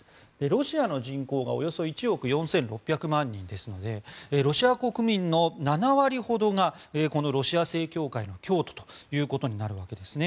ロシアの人口がおよそ１億４６００万人ですのでロシア国民の７割ほどがこのロシア正教会の教徒となるんですね。